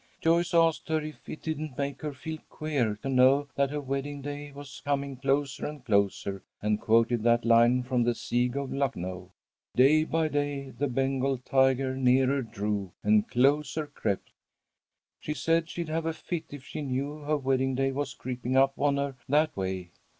"Joyce asked her if it didn't make her feel queer to know that her wedding day was coming closer and closer, and quoted that line from 'The Siege of Lucknow,' 'Day by day the Bengal tiger nearer drew and closer crept.' She said she'd have a fit if she knew her wedding day was creeping up on her that way.